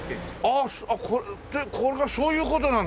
あっこれこれがそういう事なんだ。